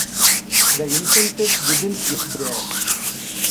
The incentives didn't end there.